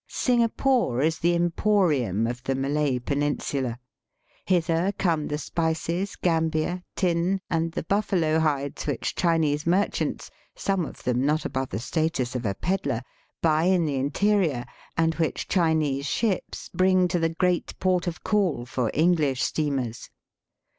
Singapore is the emporium of the Malay peninsula. Hither come the spices, gambia, tin, and the buffalo hides which Chinese merchants, some of them not above the status of a pedlar, buy in the interior, and which Chinese ships bring to the great port of " oall for English steamers.